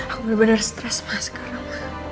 aku bener bener stres ma sekarang